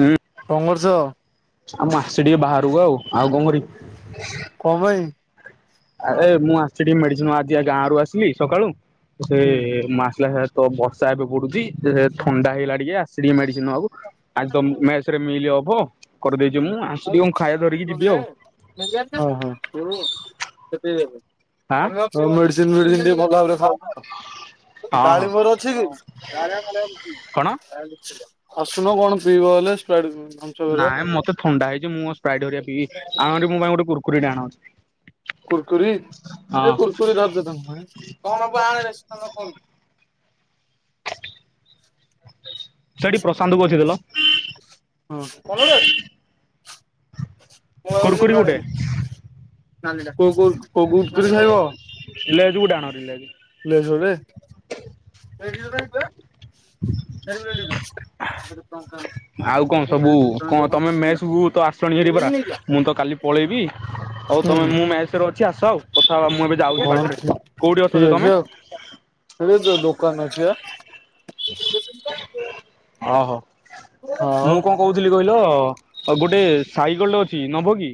ହୁଁ। କଣ କରୁଚ? ଆଉ ମାସେ ଟିକେ ବାହାରକୁ ଆଉ ଆଉ କଣ କରିବି? କଁ ପାଇଁ? ଆରେ ମୁଁ ଆସି ଟିକେ ମେଡିସିନ ଆଜି ଗାଁରୁ ଆସିଲି ସକାଳୁ ସେ ମାସିଲା ସାରି ତ ବର୍ଷା ଏବେ ପଡୁଛି ଥଣ୍ଡା ହେଇ ଗଲା ଟିକେ ଆସିଲି ମେଡିସିନ ଆଜି ତମ ମେସରେ ଆଜି ମିଲି ଅଫ? [unintelligible] ହଁ ଆଁ ହଁ। ମେସିନ ଫେଡିସିନ ଟିକେ ଭଲ ଭାବରେ ହଁ ହଁ ଡାଳିମ୍ବ ମୋର ଅଛି କି? କଣ ଆସୁନ କଣ ପିଇବ ହେଲେ ସ୍ପାରାଇଟ ନାଇଁ ମତେ ଥଣ୍ଡା ହେଇଛି ମୁଁ ସ୍ପ୍ରାଇଟ ହେରିକା ପିିଇବି ଆଣି ଯଦି ମୋ ପାଇଁ ଗୋଟେ କୁରକୁରି ଟେ ଆଣ ହେରି। କୁରକୁରି? ଏଇ କୁରକୁରି ଦେଲ କଣ [unintelligible] ସେଠି ପ୍ରଶାନ୍ତକୁ ଅଛି ଦେଲ ହୁଁ ମୁଁ ଏଣ କୁୁରକୁରି ଗୋଟେ କୋଉ କୋଉ କୁରକୁରି ଖାଇବ? ଲେଜ ଗୁଡ଼େ ଆଣହେରି। ଲେଜ ଗୋଟେ। ସେ କଣ ଆଉ କଣ ସବୁ କଣ ତମେ ମେସ କୁ ତ ଆସନ ସେଠି ପରା ମୁଁ ତ କାଲି ପଳେଇବି ହଉ ହୁଁ ତମେ ମୁଁ ମେସରେ କିଛି ଆସ ଆଉ କଥା ହେବା ମୁଁ ଏବେ ଯାଉଛି ହଁ ବାଟରେ କୋଉଠି ଅଛ ଯେ ତମେ? ଏଇ ଦୋକାନରେ ଅଛି ପା। ଓହୋ ଆଉ ମୁଁ କଣ କହୁଥିଲି କ ଗୋଟେ ସାଇକେଲଟେ ଅଛି ନବ କି?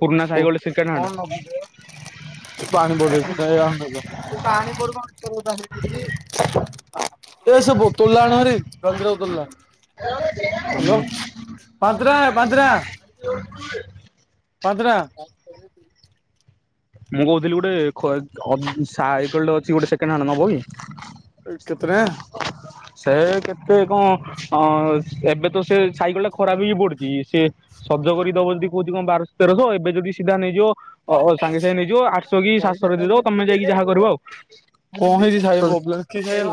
ପୁରୁଣା ସାଇକେଲଟେ ସେକେଣ୍ଡ କଣ ହ୍ୟାଣ୍ଡ ନ ପାଣି [inaudible] ଏ ସେ ବୋତଲଟା ଆଣ ହେବି ଯଲଯିରା ବୋତଲ ଟା। ହାଲୋ ପାଞ୍ଚଟା ଆଣେ ପାଞ୍ଚଟା। ପାଞ୍ଚଟା। ମୁଁ କହୁଥିଲି ଗୋଟେ ସାଇକେଲ ଟେ ଅଛି ଗୋଟେ କେଣ୍ଡ ଆଣ୍ଡ ନବ କି? କେତେ ଟଙ୍କା? ସେ କେତେ କଣ ଅ ଏବେ ତ ସେ ସାଇକେଲ ଟା ଖରାପ ହେଇକି ପଡିଛି ସିଏ ଶଜ କରିଦବ ଯଦି କହୁଛି କଣ ବାରଶହ ତେରଶହ ଏବେ ଯଦି ସିଧା ନେଇଯିବ ସାଙ୍ଗେ ସାଙ୍ଗେ ନେଇଯିବ ଆଠଶହ କି ସାତଶହ ର ଦେଇଦବ ତମେ ଯାଇକି ଯାହା କରିବ ଆଉ। କଣ ହେଇଛି ସାଇକେଲ ପ୍ରୋବ୍ଲେମ କି ସାଇକେଲ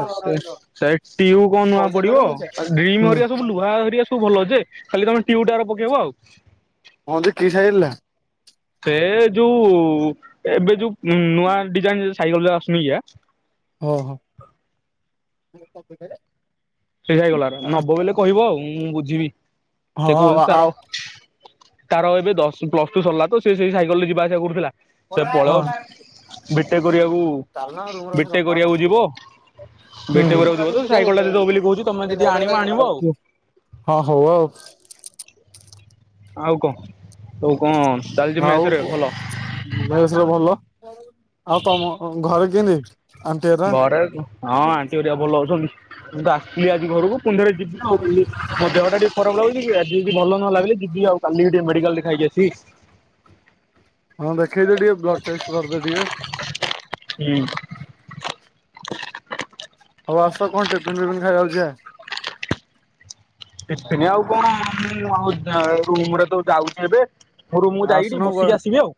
ସେ ଟିୟୁ କଣ ନୂଆ ପଡିବ ଡ୍ରିମ ହୁଁ ହରିକା ସବୁ ଲୁହା ଧରଆ ସବୁ ଭଲ ଅଛି ଯେ ଖାଲି ତମେ ଟିୟୁ ହରିକା ପକେଇବ ଆଉ। ହ ଯେ କିସାଇଲା। ସେ ଯୋଉ ଏବେ ଯୋଉ ନୂଆ ଡିଜାଇନ ସାଇକେଲ ଯସୁନିକିଆଁ। ଓହୋ ଓହୋ। ସେଇଟା ହେଇଗଲା ନବ ବୋଇଲେ କହିବ ଆଉ ମୁଁ ବୁଝିବି। ସେ ହଁ କହୁଛି ତାର ଆଉ ତାର ଏବେ ଦଶ ପ୍ଲସ ଟୁ ସରିଲା ତ ସେଇ ସାଇକେ ରେ ଯିବାଆସିବା କରୁଥିଲା। ହଁ। ଟେ କରିବାକୁ ବିଟେକ କରିବାକୁ ଯିବ? ଭେଟହୁଥିବ ତ ସାଇକଲ ଟା ଦବ ବୋଲି କହୁଛୁ। [unintelligible] ହଁ ହଉ ଆଉ। ଆଉ କଣ ଆଉ କଣ? ଚାଲିଛି ମେସ୍ ଆଉ ରେ ଭଲ ଭେସ ରେ ଭଲ ଆଉ ତମ ଘରେ କେମିତି? ଆଣ୍ଟି ହେରା ଘରେ ହଁ ଆଣ୍ଟି ଘରିକା ଭଲ ଅଉଛନ୍ତି। ମୁଁ ଆସିଲି ଆଜି ଘରକୁ ପୁଣି ଥରେ ଯ ଆଉ ମୋ ଦେହ ଟିକେ ଖରାପ ଲାଗୁି ଆଜି ଯଦି ଭଲ ନ ଲାଗିଲେ ଯିବି ଆଉ କାଲି ଟିକେ ମେଡିକାଲ। ଖାଇଅଛି। ହଁ ଦେଖେଇଦେ ଟିକେ ବ୍ଲଡ ଟେଷ୍ଟ କରିଦେ ଟିକେ ହୁଁ [inaudible] ହଉ ଆସ କଣ ଟିକେ ଟିଫିନ ଫିପିନ ଖାଇବାକୁ ଯିବା। ଟିଫିନ ଆଉ କଣ ମୁଁ ଆଉ ରୁମ ରେ ତ ଯାଉଛି। ଏବେରୁମ ଯାଇକି ବସିକି ଆସିବି ଆଉ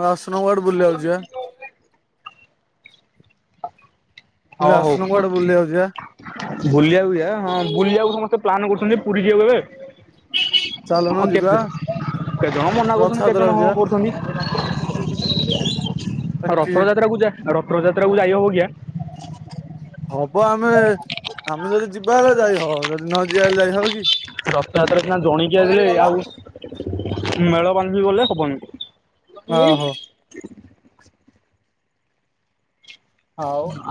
ମାଆ ଆଶ୍ରମ ଆଡେ ବୁଲି ଯାଉଛି ଆଁ [inaudible] କହିଲି ହଉ ହଉ ଆସୁନ କୁଆଡେ ବୁଲିବାକୁ ଯିବା। ବୁଲିବାକୁ ଯିବା ହଁ ବୁଲିବାକୁ ସମସ୍ତେ ପ୍ଲାନ୍ କରୁଛନ୍ତି ପୁରୀ ଯିବୁ ଏବେ ଚାଲୁନ ହଁ ଯିବା କେତେ କେତେ ଜଣ ମନା କରୁଛନ୍ତି କେତେ ରଥଯାତ୍ରାକୁ ଜଣ ହଁ କରୁଛନ୍ତି। ଯିବା ରଥଯାତ୍ରା କୁ ଯା ରଥଯାତ୍ରା କୁ ଯାଇ ହବକି ଆ ହବ ଆମେ ଆମେ ଯଦି ଯିବା ହେଲେ ଯାଇ ହବ ଯଦି ନ ଯିବା ହେଲେ ଯାଇ ହବ କି? ରଥଯାତ୍ରା ସନା ଜଣିକି ଆସିଲେ ଆଉ ମେଳ ବାନ୍ଧିବି ଗଲେ ହବନି। ଏଇ ଓହୋ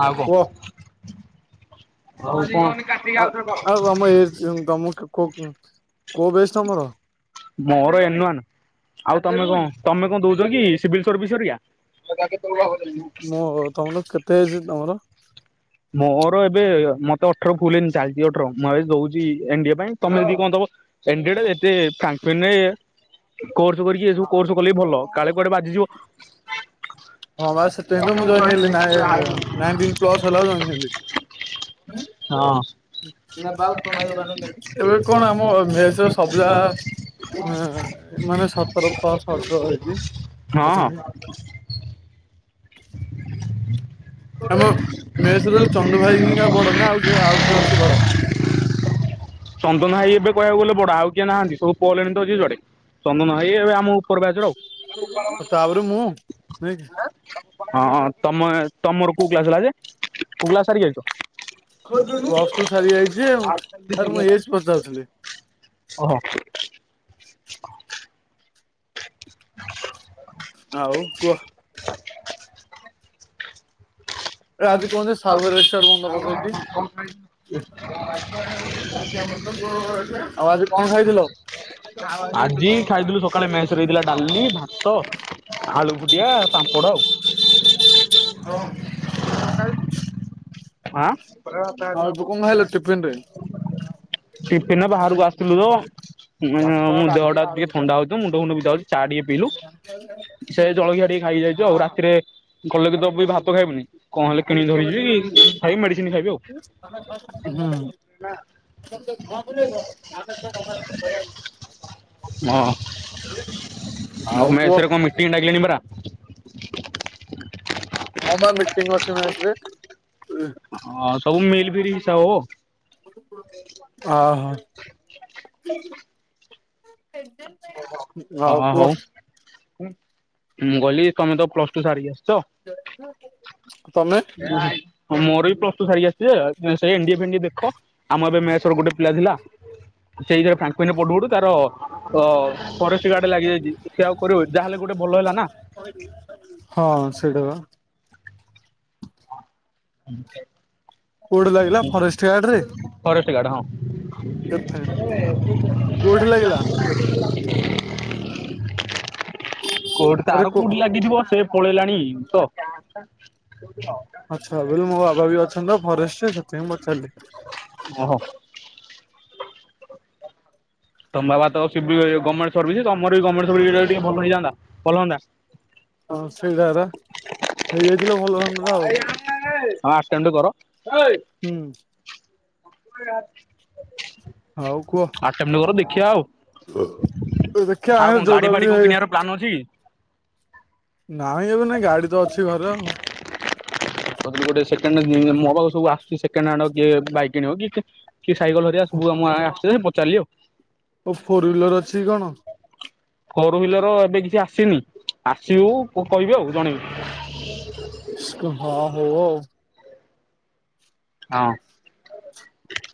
ଆଉ କଣ ଆଉ କଣ? ଆ ଆଉ ତମ ତମ କୋଉ ବେଶ ତମର? ମୋର ଏନ୍‌ ୱାନ। ଆଉ ତମେ କଣ ତମେ କଣ ଦଉଛ କି ସିବିଲ ସର୍ଭିସ ହରିକା । ମୁଁ ତମର କେତେ ହେଇଛି ତମର? ମୋର ଏବେ ମତେ ଅଠର ଫୁଲନ ଚାଲିଛି ଅଠର ମୁଁ ଏବେ ଦଉଛି ଏଣ୍ଡିଆ ପାଇଁ ତମେ ଯଦି କଣ ଦବ? ଏଣ୍ଡିଏଡ୍‌ ଯେତେ ଫାଙ୍କ ପେନ୍‌ରେ କୋର୍ସ କରିକି ଏସବୁ କୋର୍ସ କଲେ ବି ଭଲ କାଳେ କୁଆଡେ ବାଜିଯିବ। ହଁ ବା ସେତିପାଇଁ ତ ମୁଁ ଜଏନ୍‌ ହେଲି ନା ନାଇଣ୍ଟିନ୍‌ ପ୍ଲସ ହେଲା ଜଏନ୍‌ ହେଲି। ହଁ। ଏବେ କଣ ଆମ ମେସ୍‌ ର ସବୁଯାକ ହୁଁ ମାନେ ସତର ପ୍ଲସ୍‌ ଅଠର ହେଇଚି। ହଁ। ଆମ ମେସ୍‌ ଚନ୍ଦ୍ର ଭାଇ ହିଁକା ବଡ ନା ଆଉ ଆଉ କିଏ ଅଛି ବଡ? ଚନ୍ଦନ ଭାଇ ଏବେ କହିବାକୁ ଗଲେ ବଡ ଆଉ କିଏ ନାହାନ୍ତି। ସବୁ ପହଲେଣି ତ ଯିଏ ଯୁଆଡେ ଚନ୍ଦନ ଭାଇ ଏବେ ଆମ ଉପର ବ୍ୟାଚର ଆଉ ତାପରେ ମୁଁ ନାଇକି ହଁଁ ତମେ ତମର କୋଉ କ୍ଲାସ ହେଲା ଯେ କୋଉ କ୍ଲାସ ସାରିକି ଆଇଛ? ପ୍ଲସ ଟୁ ସାରି ଯାଇଛି ଆଉ। ଆରେ ମୁଁ ଏଜ ପଚାରୁଥିଲି [unintelligible] ଓହୋ। [inaudible] ଆଉ କୁଅ । [inaudible] [inaudible] [unintelligible] ଆଜି କୁହନ୍ତି ସାବରେଶ୍ୱର ବନ୍ଦ କରିଦେଇଛି। ଆଉ ଆଜି କଣ ଖାଇଥିଲ? ଆଜି ଖାଇଥିଲୁ ସକାଳେ ମେସରେ ହେଇଥିଲା ଡାଲି । ଭାତ ଆଳୁ ଫୁଟିଆ ପାମ୍ପଡ଼ ଆଉ। ଆଜି ଦିନ ରେ କଣ ଖାଇଲୁ। ଆଁ। ଟିଫିନ ରେ? ଟିଫିନ୍ ରେ ବାହାରକୁ ଆସିଥିଲୁ ତ। ଉଁ ଦେହ ଟା ଟିକେ ଥଣ୍ଡା ହଉଛି ତ ମୁଣ୍ଡ ଫୁଣ୍ଡ ବିନ୍ଧା ହଉଛି ଚା ଟିକେ ପିଇଲୁ। ସେ ଜଳଖିଆ ଟିକେ ଖାଇକି ଯାଇଛୁ ଆଉ ରାତିରେ ଭଲ କି ଦବେଇ ତ ଭାତ ଖାଇବୁନି। କଣ ହେଲେ କିଣିି କି ଧରି ଯିବି ଖାଇବି ମେଡିସିନ ଖାଇବି ଆଉ। [inaudible] ହଁ ହଉ ଆଉ କୁହ ମେସେରେ କଣ ମିଟିଂ ଡାକିଲେଣି ପରା। ହଁ ବା ମିଟିଂ ଅଛି ମେସ ରେ। ହଁ ସବୁ ମିଲ ଫିଲ ହିସାବ ହବ। ଓ ହୋ। ଆଉ ହଁ ହଉ କୁହ। ମୁଁ କହିଲି ତମେ ତ ପ୍ଲସ ଟୁ ସାରିକି ଆ ତମେ। ହ ମୋର ବି ପ୍ଲସ ଟୁ ସାରିକି ଆସିଛି ଯେ ସେଇ ଏନ୍ ଡି ଏ ଫେଣ୍ଡିଏ ଦେଖ ଆମ ଏବେ ମେସ ରୁ ଗୋଟେ। ପିଲା ଥିଲା ସେଇଥିରେ ଫାଙ୍କୁଇନ ରେ ପଢୁ ପଢୁ ତାର ଅ ଫରେ ଷ୍ଟ ଗାର୍ଡ ଲାଗିଯାଇଛି ସେ ଆଉ କରିବ କି ଯାହା ହେଲେ ଗୋଟେ ଭଲ ହେଲା ନା। ହଁ ସେଇଟା ବା। ହୁଁ । କୋଉଠି ଲାଗିଲା ଫରେଷ୍ଟ ଗାର୍ଡ ରେ। ଷ୍ଟ ଗାଡ଼ ହଁ। [inaudible] କେତେ? କୋଉଠି ଲାଗିଲା? କୋଉଠି ଆରେ ତାର କୋ କୋଉଠି ଲାଗିଥିବ ସେ। ପଳେଇଲାଣି ତ। ଆଚ୍ଛା ମୋ ବାବା ବି ଅଛନ୍ତି ତ ଫରେଷ୍ଟରେ ସେଥିପାଇଁ ପଚାରିଲି। ଓହୋ ତମ ବାବା ତ ସିଭିଲ ଏ ଗମେଣ୍ଟ ସର୍ଭିସ ତମର ବି ଗମେଣ୍ଟ ସରଭିସ ରେ ଟିକେ ଭଲ ହେଇଯାନ୍ତା ଭଲ ହନ୍ତା। ହଁ ସେଇଟା ରା ହେଇଯାଇଥିଲେ ଭଲ ହୁଅନ୍ତା ଆଉ ହଁ ଆଷ୍ଟାଣ୍ଡୁ କର। ହୁଁ। ହଉ କୁହ। ଆଟେମ୍ଟ କର ଦେଖିବା ଆଉ ଦେଖିଆ ଆଉ ହାଁ କଣ ଗାଡି ଜୋଉଟା ରୁ ଫାଡି ବି କଣ ହେଇ। କିଣିବାର ପ୍ଲାନ୍ ଅଛି କି ନାହିଁ ଏବେ ନାଇଁ ଗାଡି ତ ଅଛି ଘରେ ଆଉ। କାଇଁନା ମୋ ପାଖକୁ ସବୁ ଆସୁଚି ସେକଣ୍ଡ ହ୍ୟାଣ୍ଡ କେ ବାଇକ କିଣିବ କି କେ । କି ସାଇକେଲ ଘରିକା ସବୁ ଆମ ଆସୁଚି ଯେ ପଚାରିଲି ଆଉ। ଓ ଫୋର ହ୍ବିଲର ଅଛି କି କଣ। ଫୋର ହ୍ୱିଲର ଏବେ କିଛି ଆସିନି ଆସିବୁ କ-କହିବି ଆଉ ଜଣେଇବି। ହଁ ହଉ ଆଉ । ହଁ।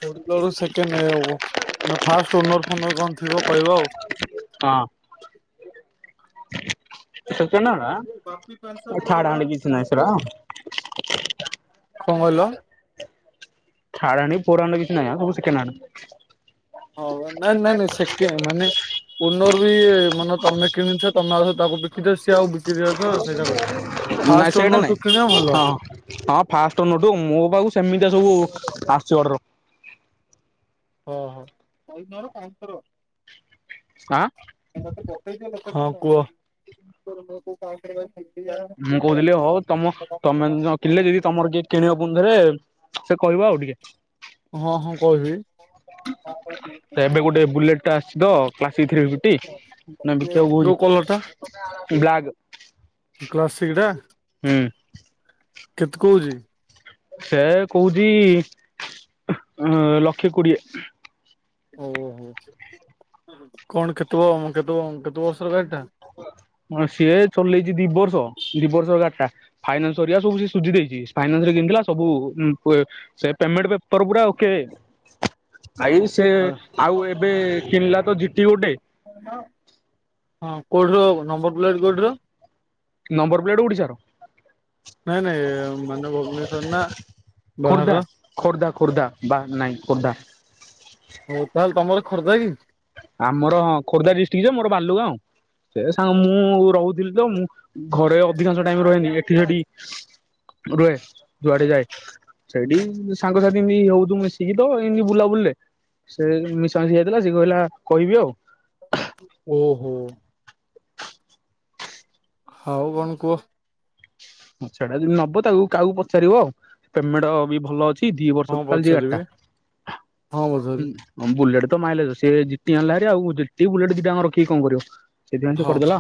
ଫୋର୍ ହ୍ୱିଲର ର ସେକେଣ୍ଡ ଓ -ନ ଫାର୍ଷ୍ଟ ଓନର ଫୋନର କଣ ଥିବ କହିବ ଆଉ। ହଁ। ଥାର୍ଡ ହ୍ୟାଣ୍ଡ କିଛି ନାହିଁ ସେରା କଣ କହିଲ? ଥାର୍ଡ ହ୍ୟାଣ୍ଡ ଫୋର୍ ହ୍ୟାଣ୍ଡ କିଛି ନାହି ଆଉ ସବୁ ସେକେଣ୍ଡ ହ୍ୟାଣ୍ଡ। ହଉ ନା ନା ନାଇଁ ସେକେ ମାନେ ଓ ଓନର ବି ମାନେ ତମେ କିଣିଛ ତମେ ଆଉଥରେ ତାକୁ ବିକିଛ ସିଏ ଆଉ ବିକି ସେଇଟା କହିଲି। ନାଇଁ ଫାଷ୍ଟ ସେଇଟା ଓନରଠୁ କିଣିବା ନାଇଁ ଭଲ ହଁ ହଁ ଫାଷ୍ଟ ଓନର ଠୁ ମୋ ପାଖକୁ ସେମି ତିଆ ସବୁ ଆସୂଛି ଅଡର। ହଁ ଆଁ ହଁ। ହଁ କୁହ? ମୁଁ କହୁଥିଲି ହଉ ତମ ତମେନଥିଲେ ଯଦି ତମର କିଏ କିଣିବ ପୁଣିଥରେ ସେ କହିବ ଆଉ ଟିକେ। ହଁ ହଁ କହିବି ଏବେ ଗୋଟେ ବୁଲେଟ୍ ଟେ ଆସିଛି ତ କ୍ଲାସିକ୍ କୋଉ [inaudible] ବ୍ଲାଗ୍। କ୍ଲାସିକ୍ ଟା ହୁଁ। କେତେ କହୁଛି? ସେ କହୁଛି ଲକ୍ଷେ କୋଡିଏ। ଓହୋ କଣ କେତ କେତେ କେତେ ବର୍ଷର ଗାଡି ଟା। ସିଏ ଚଲେଇଛି ଦି ବର୍ଷ ଦି ବର୍ଷ ଗାଡି ଟା ଫାଇନାନ୍ସ ସରିବା ସବୁ ସୁଝି ଦେଇଛି ଫାଇନାନ୍ସରେ କିଣିଥିଲା ସବୁ ପେମେଣ୍ଟ ପେପର ପୁରା ଓକେ ଆଇ ସେ ଆଉ ଏବେ କିଣିଲା ତ ଝିଟି ଗୋଟେ। ହଁ କୋଉଠିର ନମ୍ବର ପ୍ଲେଟ କୋଉଠିର? ନମ୍ବର ପ୍ଲେଟ ଓଡିଶାର। ନାଇଁ ନାଇଁ ମାନେ ଭୁବନେଶ୍ଵର ନା ଖୋର୍ଦ୍ଧା ବାହାର ଖୋର୍ଦ୍ଧା ଖୋର୍ଦ୍ଧା ବା ନାଇଁ ଖୋର୍ଦ୍ଧା। ହଉ ତାହେଲେ ତମର ଖୋର୍ଦ୍ଧା କି? ଆମର ହଁ ଖୋର୍ଦ୍ଧା ଡିଷ୍ଟ୍ରିକ୍ଟ ଯେ ମୋର ବାଲୁଗାଁ। ସେ ସାଙ୍ଗ ମୁଁ ରହୁଥିଲି ତ ମୁଁ ଘରେ ଅଧିକାଂଶ ଟାଇମ ରହେନି ଏଠି ସେଠି। ରୁହେ ଯୁଆଡେ ଯାଏ। ସେଇଠି ସାଙ୍ଗସାଥି ଏମିତି ରହୁଛୁ ମିଶିକି ତ ଏମିତି ବୁଲା ବୁଲେ। ସେ ମିଶଙ୍ଗିକି ଯାଇଥିଲା ସେଏ କହିଲା କହିବି ଆଉ। ଓହୋ। ହଉ କଣ କୁହ? ସେଟା ଯଦି ନବ ତାକୁ କାହାକୁ ପଚାରିବ ଆଉ ପେମେଣ୍ଟ ବି ଭଲ ଅଛି। ଦି ବର୍ଷ କଣ କାଲି ଯାରଟା ପଚାରିବି? ହଁ ବଧରି ବୁଲେଟ ମାଇଲେଜ ସେ ଝିଟି ଆଣିଲାଭାରି ଆଉି ଦିଟା ବୁଲେଟ୍ ରଖିକି କଣ କରିବ ସେଥିପାଇଁ ସେ ହଁ କରିଦେଲା।